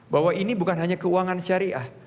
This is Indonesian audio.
bahwa ini bukan hanya keuangan syariah